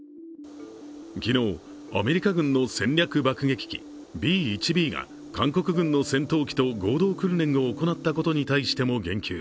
昨日、アメリカ軍の戦略爆撃機Ｂ−１Ｂが韓国軍の戦闘機と合同訓練を行ったことに対しても言及。